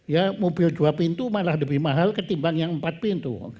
ya mobil dua pintu malah lebih mahal ketimbang yang empat pintu